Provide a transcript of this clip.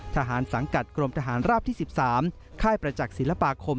สังกัดกรมทหารราบที่๑๓ค่ายประจักษ์ศิลปาคม